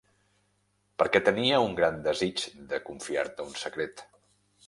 Perquè tenia un gran desig de confiar-te un secret.